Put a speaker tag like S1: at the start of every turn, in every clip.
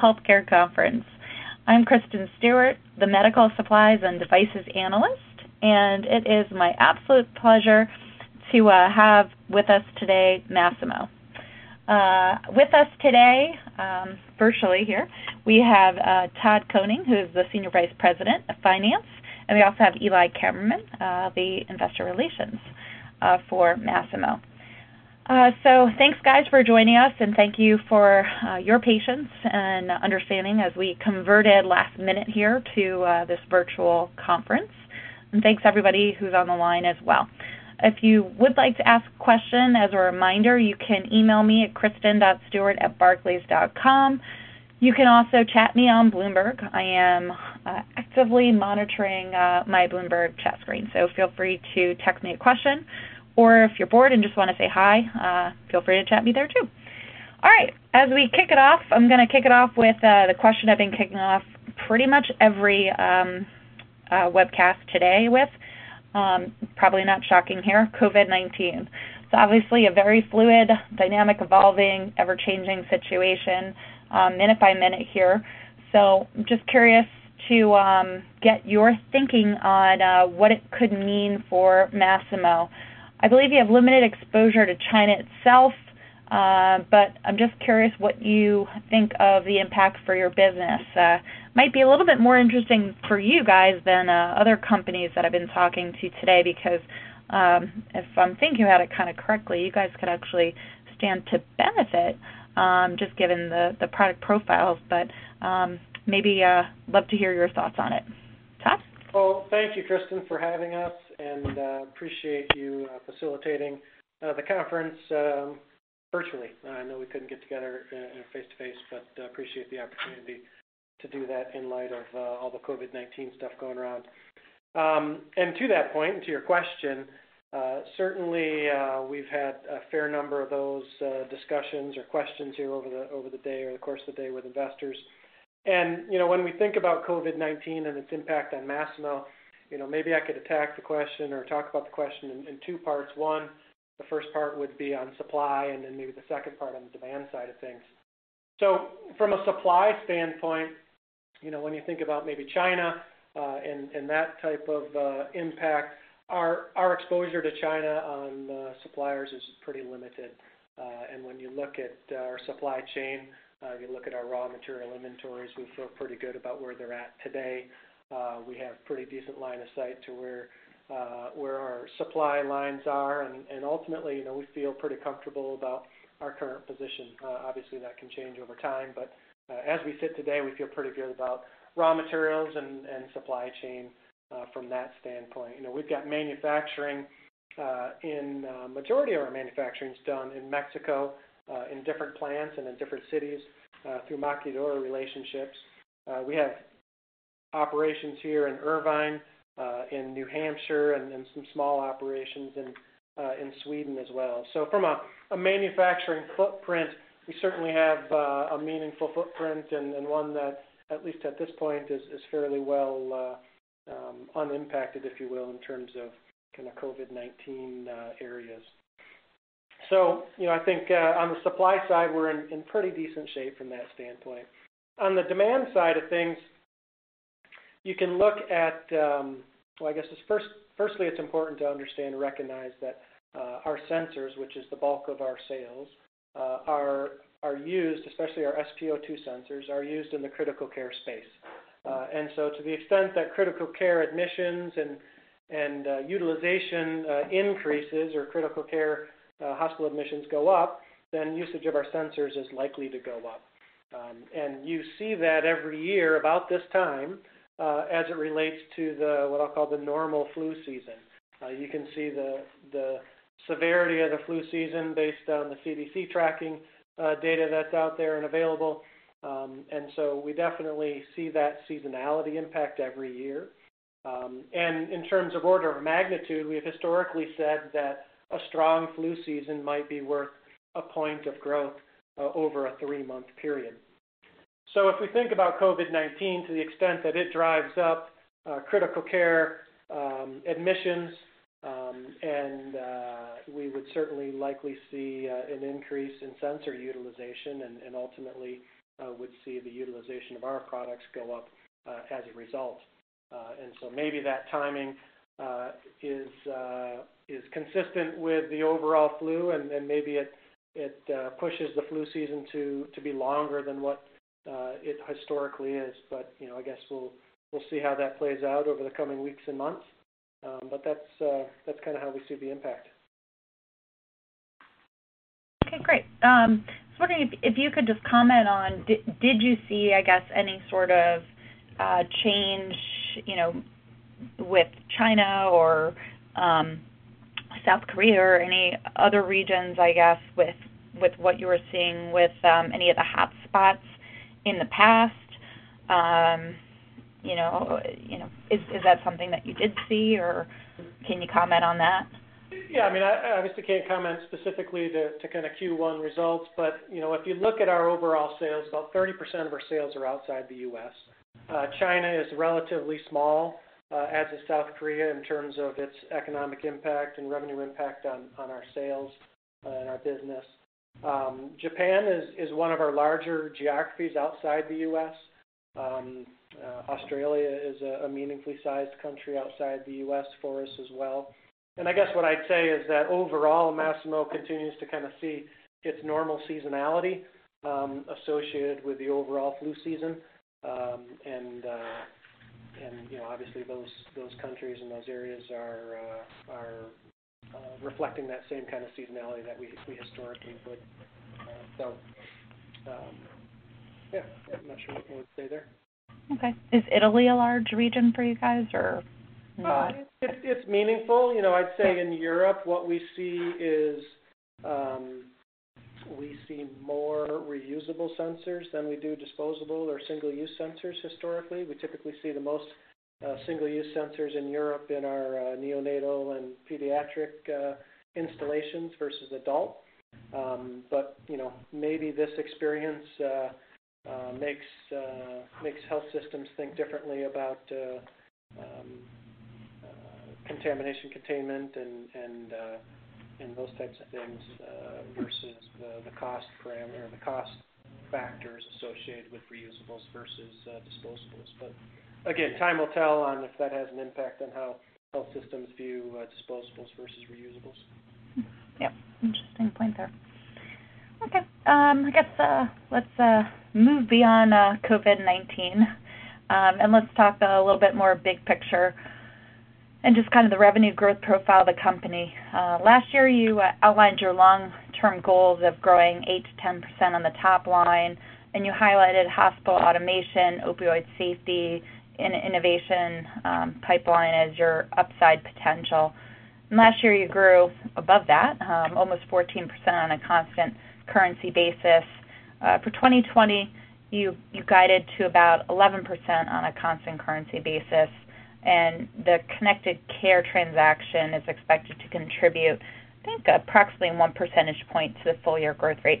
S1: Healthcare Conference. I'm Kristen Stewart, the Medical Supplies and Devices Analyst, and it is my absolute pleasure to have with us today Masimo. With us today, virtually here, we have Todd Koning, who is the Senior Vice President of Finance, and we also have Eli Kammerman, the Investor Relations for Masimo. So thanks, guys, for joining us, and thank you for your patience and understanding as we converted last minute here to this virtual conference. And thanks, everybody who's on the line as well. If you would like to ask a question, as a reminder, you can email me at kristen.stewart@barclays.com. You can also chat me on Bloomberg. I am actively monitoring my Bloomberg chat screen, so feel free to text me a question, or if you're bored and just want to say hi, feel free to chat me there too. All right, as we kick it off, I'm going to kick it off with the question I've been kicking off pretty much every webcast today with, probably not shocking here, COVID-19. It's obviously a very fluid, dynamic, evolving, ever-changing situation minute by minute here. So I'm just curious to get your thinking on what it could mean for Masimo. I believe you have limited exposure to China itself, but I'm just curious what you think of the impact for your business. It might be a little bit more interesting for you guys than other companies that I've been talking to today because if I'm thinking about it kind of correctly, you guys could actually stand to benefit just given the product profiles. But maybe I'd love to hear your thoughts on it. Todd?
S2: Thank you, Kristen, for having us, and I appreciate you facilitating the conference virtually. I know we couldn't get together face-to-face, but I appreciate the opportunity to do that in light of all the COVID-19 stuff going around. To that point, to your question, certainly we've had a fair number of those discussions or questions here over the day or the course of the day with investors. When we think about COVID-19 and its impact on Masimo, maybe I could attack the question or talk about the question in two parts. One, the first part would be on supply, and then maybe the second part on the demand side of things. From a supply standpoint, when you think about maybe China and that type of impact, our exposure to China on suppliers is pretty limited. When you look at our supply chain, you look at our raw material inventories, we feel pretty good about where they're at today. We have a pretty decent line of sight to where our supply lines are, and ultimately, we feel pretty comfortable about our current position. Obviously, that can change over time, but as we sit today, we feel pretty good about raw materials and supply chain from that standpoint. We've got manufacturing in the majority of our manufacturing's done in Mexico in different plants and in different cities through maquiladora relationships. We have operations here in Irvine, in New Hampshire, and some small operations in Sweden as well. So from a manufacturing footprint, we certainly have a meaningful footprint and one that, at least at this point, is fairly well unimpacted, if you will, in terms of kind of COVID-19 areas. So I think on the supply side, we're in pretty decent shape from that standpoint. On the demand side of things, you can look at, well, I guess firstly, it's important to understand and recognize that our sensors, which is the bulk of our sales, are used, especially our SpO2 sensors, are used in the critical care space. And so to the extent that critical care admissions and utilization increases or critical care hospital admissions go up, then usage of our sensors is likely to go up. And you see that every year about this time as it relates to what I'll call the normal flu season. You can see the severity of the flu season based on the CDC tracking data that's out there and available. And so we definitely see that seasonality impact every year. In terms of order of magnitude, we have historically said that a strong flu season might be worth a point of growth over a three-month period. If we think about COVID-19, to the extent that it drives up critical care admissions, we would certainly likely see an increase in sensor utilization and ultimately would see the utilization of our products go up as a result. Maybe that timing is consistent with the overall flu, and maybe it pushes the flu season to be longer than what it historically is. I guess we'll see how that plays out over the coming weeks and months. That's kind of how we see the impact.
S1: Okay. Great. I was wondering if you could just comment on, did you see, I guess, any sort of change with China or South Korea or any other regions, I guess, with what you were seeing with any of the hotspots in the past? Is that something that you did see, or can you comment on that?
S2: Yeah. I mean, I obviously can't comment specifically to kind of Q1 results, but if you look at our overall sales, about 30% of our sales are outside the U.S. China is relatively small as is South Korea in terms of its economic impact and revenue impact on our sales and our business. Japan is one of our larger geographies outside the US. Australia is a meaningfully sized country outside the U.S. for us as well, and I guess what I'd say is that overall, Masimo continues to kind of see its normal seasonality associated with the overall flu season. And obviously, those countries and those areas are reflecting that same kind of seasonality that we historically would, so yeah, I'm not sure what more to say there.
S1: Okay. Is Italy a large region for you guys, or not?
S2: It's meaningful. I'd say in Europe, what we see is we see more reusable sensors than we do disposable or single-use sensors historically. We typically see the most single-use sensors in Europe in our neonatal and pediatric installations versus adult. But maybe this experience makes health systems think differently about contamination containment and those types of things versus the cost parameter or the cost factors associated with reusables versus disposables. But again, time will tell on if that has an impact on how health systems view disposables versus reusables.
S1: Yep. Interesting point there. Okay. I guess let's move beyond COVID-19, and let's talk a little bit more big picture and just kind of the revenue growth profile of the company. Last year, you outlined your long-term goals of growing 8% to 10% on the top line, and you highlighted hospital automation, safety, and innovation pipeline as your upside potential. And last year, you grew above that, almost 14% on a constant currency basis. For 2020, you guided to about 11% on a constant currency basis, and the Connected Care transaction is expected to contribute, I think, approximately one percentage point to the full-year growth rate.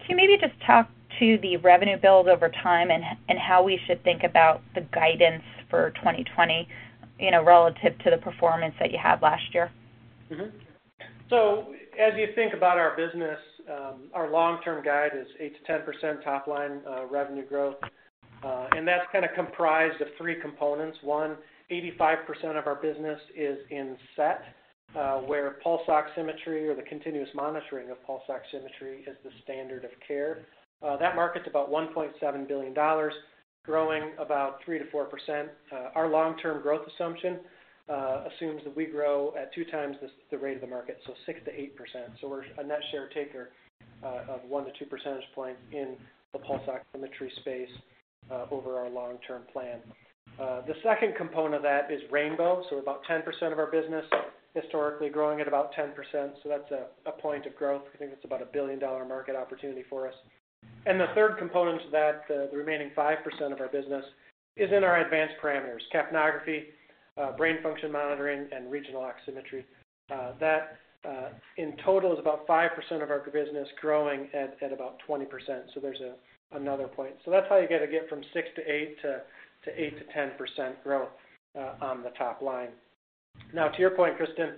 S1: Can you maybe just talk to the revenue build over time and how we should think about the guidance for 2020 relative to the performance that you had last year?
S2: So as you think about our business, our long-term guide is 8% to 10% top-line revenue growth, and that's kind of comprised of three components. One, 85% of our business is in SET, where pulse oximetry or the continuous monitoring of pulse oximetry is the standard of care. That market's about $1.7 billion, growing about 3% to 4%. Our long-term growth assumption assumes that we grow at two times the rate of the market, so 6% to 8%. So we're a net share taker of 1 to 2 percentage points in the pulse oximetry space over our long-term plan. The second component of that is Rainbow. So we're about 10% of our business, historically growing at about 10%. So that's a point of growth. I think it's about a billion-dollar market opportunity for us. The third component to that, the remaining 5% of our business, is in our advanced parameters, capnography, brain function monitoring, and regional oximetry. That in total is about 5% of our business, growing at about 20%. So there's another point. So that's how you get from 6% to 8% to 8% to 10% growth on the top line. Now, to your point, Kristen,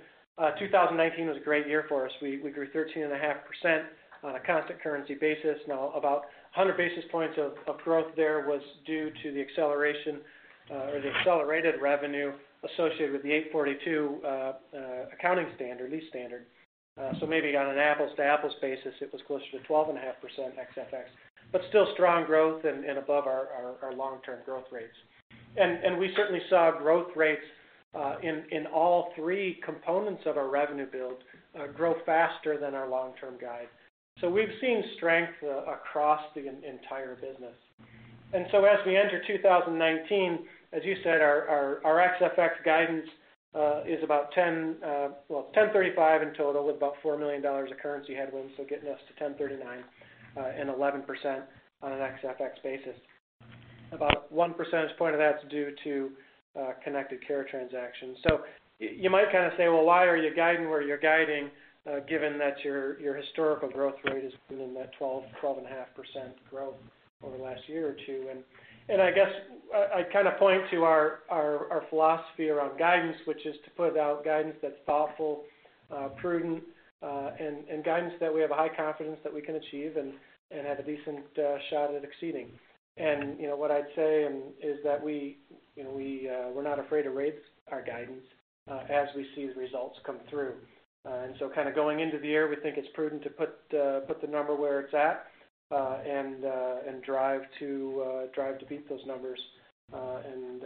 S2: 2019 was a great year for us. We grew 13.5% on a constant currency basis. Now, about 100 basis points of growth there was due to the acceleration or the accelerated revenue associated with the 842 accounting standard, lease standard. So maybe on an apples-to-apples basis, it was closer to 12.5% XFX, but still strong growth and above our long-term growth rates. And we certainly saw growth rates in all three components of our revenue build grow faster than our long-term guide. So we've seen strength across the entire business. And so as we enter 2019, as you said, our FX guidance is about 10 to 3.5% in total with about $4 million of currency headwinds, so getting us to 10 to 3.9% and 11% on an FX basis. About 1 percentage point of that's due to Connected Care transactions. So you might kind of say, "Well, why are you guiding where you're guiding given that your historical growth rate has been in that 12.5% growth over the last year or two?" And I guess I'd kind of point to our philosophy around guidance, which is to put out guidance that's thoughtful, prudent, and guidance that we have a high confidence that we can achieve and have a decent shot at exceeding. And what I'd say is that we're not afraid to raise our guidance as we see the results come through. And so kind of going into the year, we think it's prudent to put the number where it's at and drive to beat those numbers. And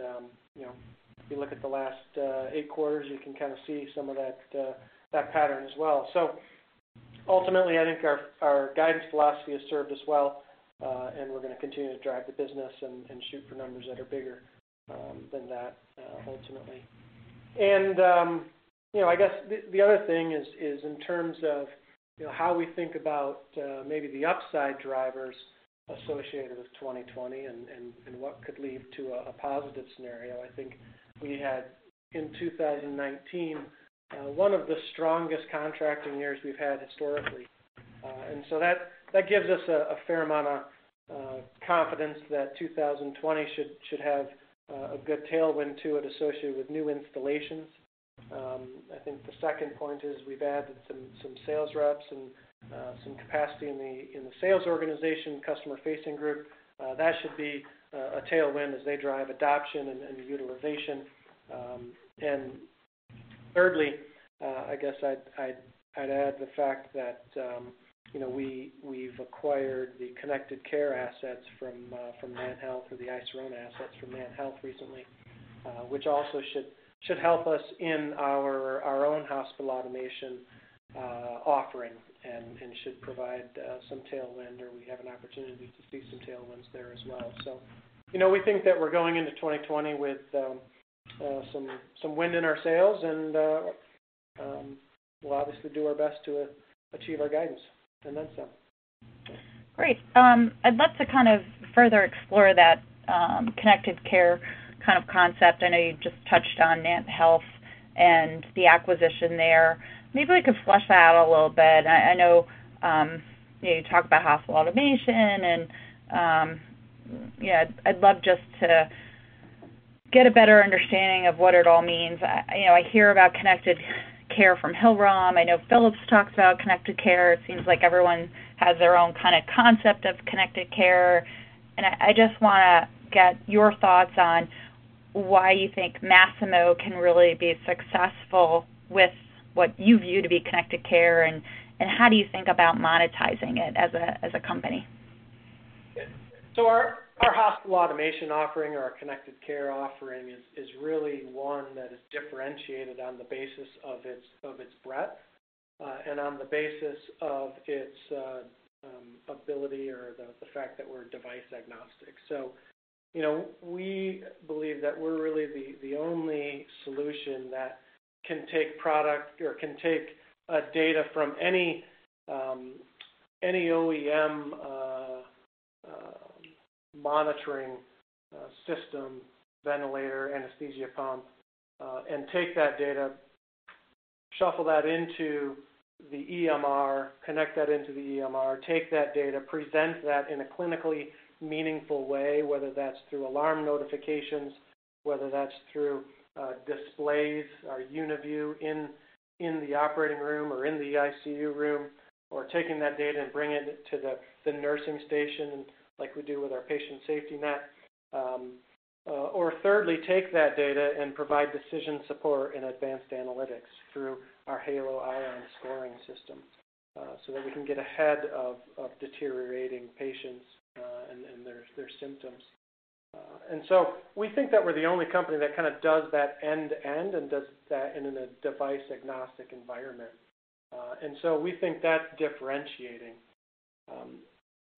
S2: if you look at the last eight quarters, you can kind of see some of that pattern as well. So ultimately, I think our guidance philosophy has served us well, and we're going to continue to drive the business and shoot for numbers that are bigger than that ultimately. And I guess the other thing is in terms of how we think about maybe the upside drivers associated with 2020 and what could lead to a positive scenario. I think we had in 2019 one of the strongest contracting years we've had historically. And so that gives us a fair amount of confidence that 2020 should have a good tailwind to it associated with new installations. I think the second point is we've added some sales reps and some capacity in the sales organization, customer-facing group. That should be a tailwind as they drive adoption and utilization. And thirdly, I guess I'd add the fact that we've acquired the Connected Care assets from NantHealth through the iSirona assets from NantHealth recently, which also should help us in our own hospital automation offering and should provide some tailwind, or we have an opportunity to see some tailwinds there as well. So we think that we're going into 2020 with some wind in our sales, and we'll obviously do our best to achieve our guidance and then some.
S1: Great. I'd love to kind of further explore that Connected Care kind of concept. I know you just touched on NantHealth and the acquisition there. Maybe we could flesh that out a little bit. I know you talk about hospital automation, and I'd love just to get a better understanding of what it all means. I hear about Connected Care from Hillrom. I know Philips talks about Connected Care. It seems like everyone has their own kind of concept of Connected Care. And I just want to get your thoughts on why you think Masimo can really be successful with what you view to be connected care, and how do you think about monetizing it as a company?
S2: Our hospital automation offering or our Connected Care offering is really one that is differentiated on the basis of its breadth and on the basis of its ability or the fact that we're device agnostic. We believe that we're really the only solution that can take product or can take data from any OEM monitoring system, ventilator, anesthesia pump, and take that data, shuffle that into the EMR, connect that into the EMR, take that data, present that in a clinically meaningful way, whether that's through alarm notifications, whether that's through displays or UniView in the operating room or in the ICU room, or taking that data and bringing it to the nursing station like we do with our Patient SafetyNet. Or thirdly, take that data and provide decision support and advanced analytics through our Halo ION scoring system so that we can get ahead of deteriorating patients and their symptoms. And so we think that we're the only company that kind of does that end-to-end and does that in a device-agnostic environment. And so we think that's differentiating.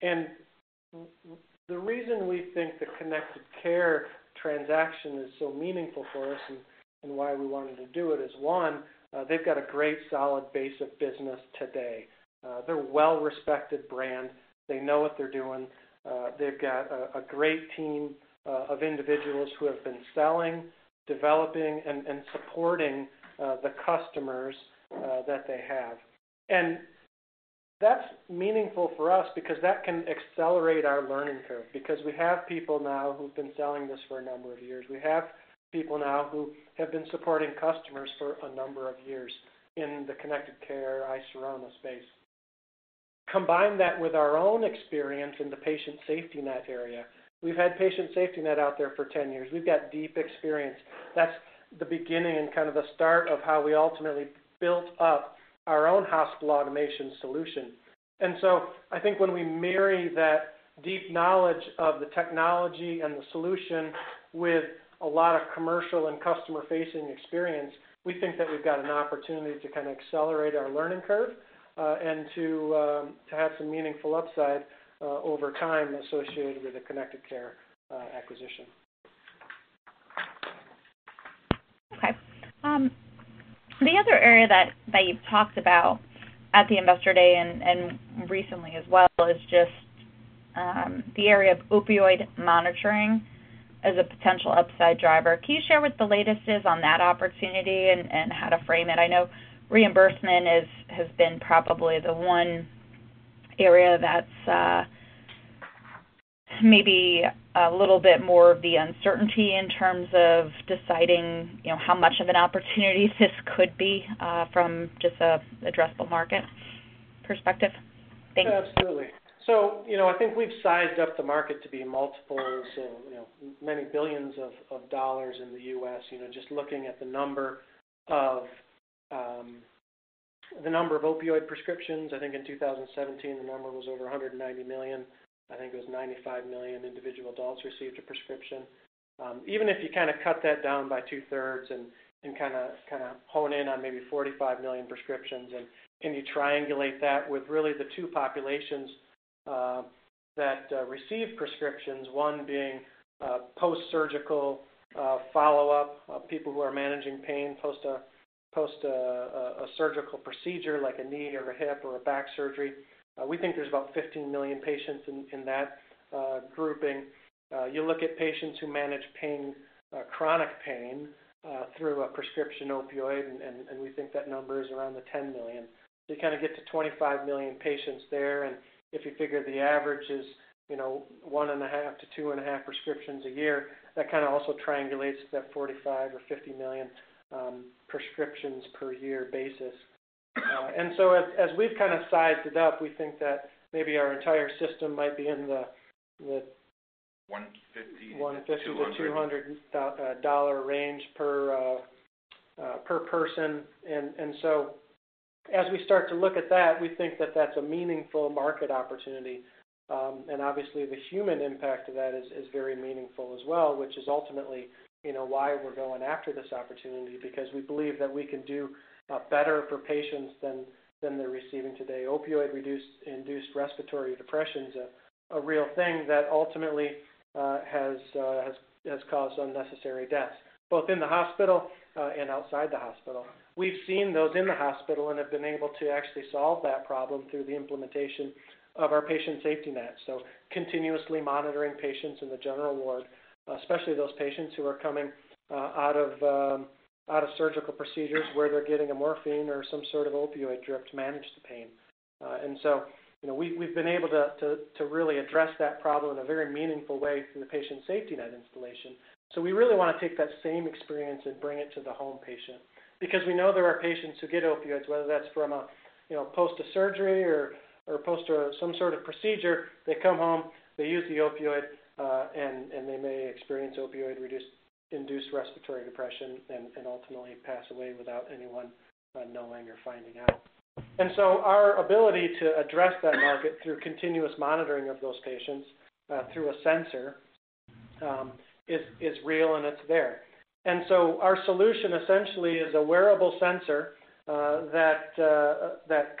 S2: And the reason we think the Connected Care transaction is so meaningful for us and why we wanted to do it is, one, they've got a great solid base of business today. They're a well-respected brand. They know what they're doing. They've got a great team of individuals who have been selling, developing, and supporting the customers that they have. And that's meaningful for us because that can accelerate our learning curve because we have people now who've been selling this for a number of years. We have people now who have been supporting customers for a number of years in the Connected Care iSirona space. Combine that with our own experience in the Patient SafetyNet area. We've had Patient SafetyNet out there for 10 years. We've got deep experience. That's the beginning and kind of the start of how we ultimately built up our own hospital automation solution. And so I think when we marry that deep knowledge of the technology and the solution with a lot of commercial and customer-facing experience, we think that we've got an opportunity to kind of accelerate our learning curve and to have some meaningful upside over time associated with the Connected Care acquisition.
S1: Okay. The other area that you've talked about at the investor day and recently as well is just the area of Opioid monitoring as a potential upside driver. Can you share what the latest is on that opportunity and how to frame it? I know reimbursement has been probably the one area that's maybe a little bit more of the uncertainty in terms of deciding how much of an opportunity this could be from just an addressable market perspective. Thanks.
S2: Absolutely. So I think we've sized up the market to be multiples, many billions of dollars in the U.S. Just looking at the number of Opioid prescriptions, I think in 2017, the number was over 190 million. I think it was 95 million individual adults received a prescription. Even if you kind of cut that down by two-thirds and kind of hone in on maybe 45 million prescriptions, and you triangulate that with really the two populations that receive prescriptions, one being post-surgical follow-up, people who are managing pain post a surgical procedure like a knee or a hip or a back surgery. We think there's about 15 million patients in that grouping. You look at patients who manage chronic pain through a prescription Opioid, and we think that number is around the 10 million. So you kind of get to 25 million patients there. If you figure the average is one and a half to two and a half prescriptions a year, that kind of also triangulates to that 45 or 50 million prescriptions per year basis. And so as we've kind of sized it up, we think that maybe our entire system might be in the $150 to $200 range per person. And so as we start to look at that, we think that that's a meaningful market opportunity. And obviously, the human impact of that is very meaningful as well, which is ultimately why we're going after this opportunity because we believe that we can do better for patients than they're receiving today. Opioid-induced respiratory depression is a real thing that ultimately has caused unnecessary deaths, both in the hospital and outside the hospital. We've seen those in the hospital and have been able to actually solve that problem through the implementation of our Patient SafetyNet, so continuously monitoring patients in the general ward, especially those patients who are coming out of surgical procedures where they're getting a morphine or some sort of Opioid drip to manage the pain, and so we've been able to really address that problem in a very meaningful way through the Patient SafetyNet installation, so we really want to take that same experience and bring it to the home patient because we know there are patients who get Opioids, whether that's from post-surgery or post some sort of procedure. They come home, they use the Opioid, and they may experience Opioid-induced respiratory depression and ultimately pass away without anyone knowing or finding out. And so our ability to address that market through continuous monitoring of those patients through a sensor is real, and it's there. And so our solution essentially is a wearable sensor that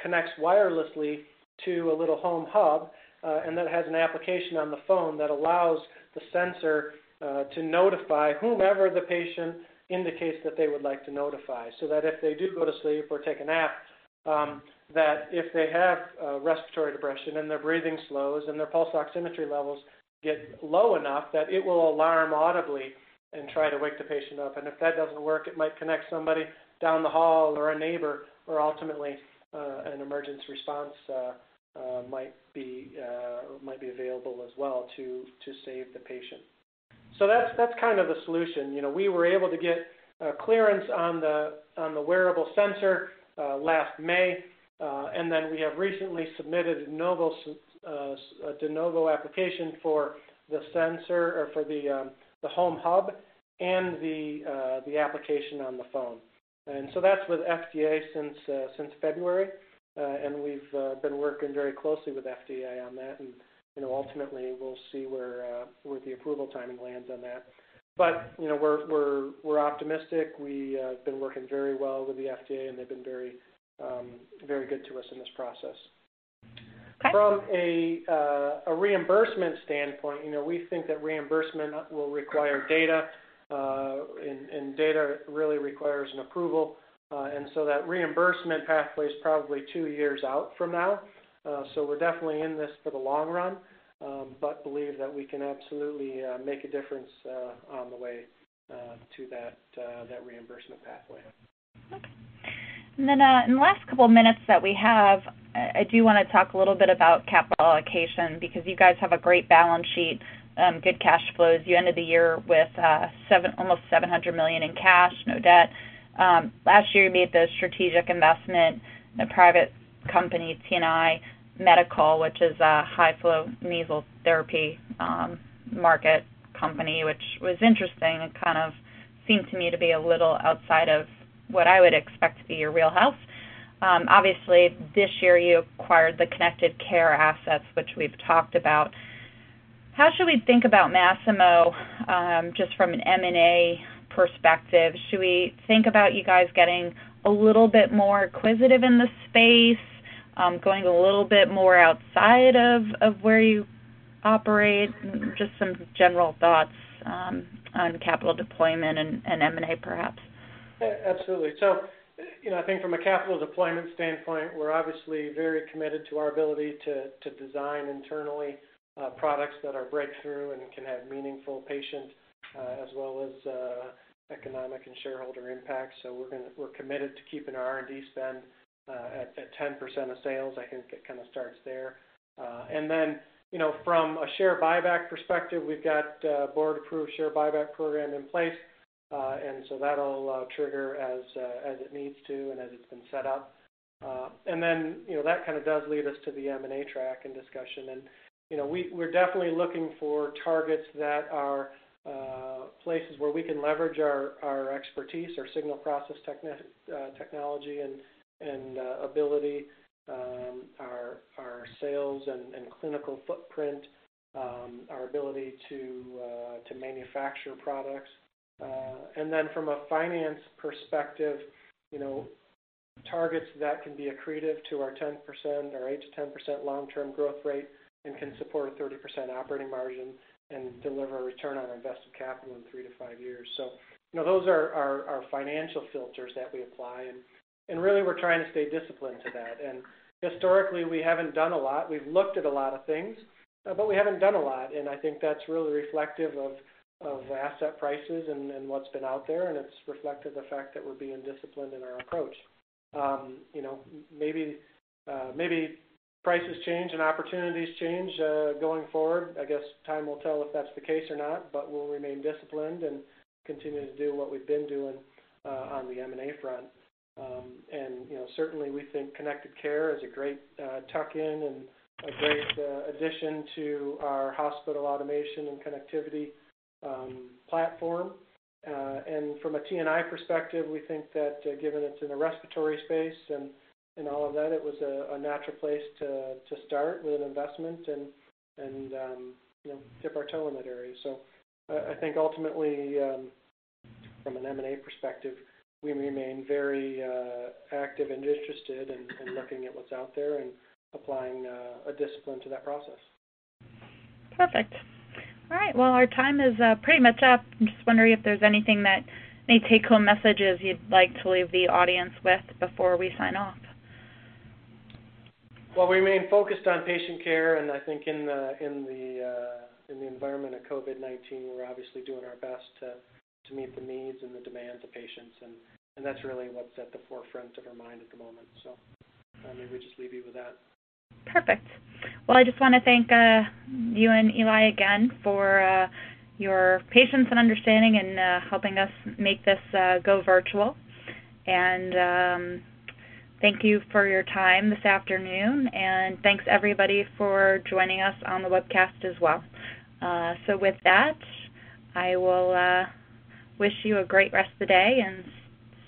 S2: connects wirelessly to a little home hub and that has an application on the phone that allows the sensor to notify whomever the patient indicates that they would like to notify so that if they do go to sleep or take a nap, that if they have respiratory depression and their breathing slows and their pulse oximetry levels get low enough, that it will alarm audibly and try to wake the patient up. And if that doesn't work, it might connect somebody down the hall or a neighbor, or ultimately, an emergency response might be available as well to save the patient. So that's kind of the solution. We were able to get clearance on the wearable sensor last May, and then we have recently submitted a de novo application for the sensor or for the home hub and the application on the phone. And so that's with FDA since February, and we've been working very closely with FDA on that. And ultimately, we'll see where the approval timing lands on that. But we're optimistic. We've been working very well with the FDA, and they've been very good to us in this process. From a reimbursement standpoint, we think that reimbursement will require data, and data really requires an approval. And so that reimbursement pathway is probably two years out from now. So we're definitely in this for the long run, but believe that we can absolutely make a difference on the way to that reimbursement pathway.
S1: Okay. And then in the last couple of minutes that we have, I do want to talk a little bit about capital allocation because you guys have a great balance sheet, good cash flows. You ended the year with almost $700 million in cash, no debt. Last year, you made the strategic investment in a private company, TNI Medical, which is a high-flow nasal therapy market company, which was interesting and kind of seemed to me to be a little outside of what I would expect to be your wheelhouse. Obviously, this year, you acquired the connected care assets, which we've talked about. How should we think about Masimo just from an M&A perspective? Should we think about you guys getting a little bit more acquisitive in the space, going a little bit more outside of where you operate? Just some general thoughts on capital deployment and M&A, perhaps.
S2: Absolutely. So I think from a capital deployment standpoint, we're obviously very committed to our ability to design internally products that are breakthrough and can have meaningful patient as well as economic and shareholder impact. So we're committed to keeping our R&D spend at 10% of sales. I think it kind of starts there. And then from a share buyback perspective, we've got a board-approved share buyback program in place, and so that'll trigger as it needs to and as it's been set up. And then that kind of does lead us to the M&A track and discussion. And we're definitely looking for targets that are places where we can leverage our expertise, our signal processing technology and ability, our sales and clinical footprint, our ability to manufacture products. And then from a finance perspective, targets that can be accretive to our 8% to 10% long-term growth rate and can support a 30% operating margin and deliver a return on invested capital in three to five years. So those are our financial filters that we apply. And really, we're trying to stay disciplined to that. And historically, we haven't done a lot. We've looked at a lot of things, but we haven't done a lot. And I think that's really reflective of asset prices and what's been out there, and it's reflected the fact that we're being disciplined in our approach. Maybe prices change and opportunities change going forward. I guess time will tell if that's the case or not, but we'll remain disciplined and continue to do what we've been doing on the M&A front. And certainly, we think Connected Care is a great tuck-in and a great addition to our hospital automation and connectivity platform. And from a TNI perspective, we think that given it's in the respiratory space and all of that, it was a natural place to start with an investment and dip our toe in that area. So I think ultimately, from an M&A perspective, we remain very active and interested in looking at what's out there and applying a discipline to that process.
S1: Perfect. All right. Well, our time is pretty much up. I'm just wondering if there's anything that may take-home messages you'd like to leave the audience with before we sign off?
S2: We remain focused on patient care, and I think in the environment of COVID-19, we're obviously doing our best to meet the needs and the demands of patients, and that's really what's at the forefront of our mind at the moment, so maybe we just leave you with that.
S1: Perfect. I just want to thank you and Eli again for your patience and understanding in helping us make this go virtual. Thank you for your time this afternoon, and thanks, everybody, for joining us on the webcast as well. With that, I will wish you a great rest of the day and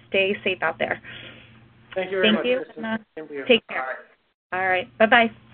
S1: stay safe out there.
S2: Thank you very much.
S1: Thank you. Take care.
S2: All right.
S1: All right. Bye-bye.